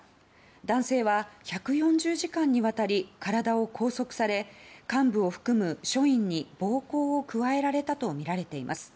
男性は１４０時間にわたり体を拘束され幹部を含む署員に暴行を加えられたとみられています。